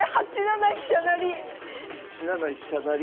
８七飛車成？